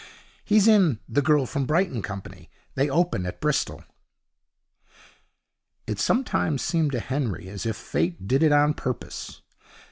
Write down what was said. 'He's in "The Girl From Brighton" company. They open at Bristol.' It sometimes seemed to Henry as if Fate did it on purpose.